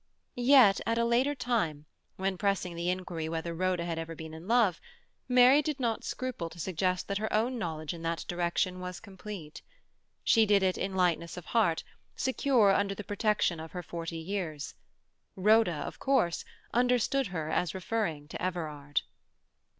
Yet, at a later time, when pressing the inquiry whether Rhoda had ever been in love, Mary did not scruple to suggest that her own knowledge in that direction was complete. She did it in lightness of heart, secure under the protection of her forty years. Rhoda, of course, understood her as referring to Everard.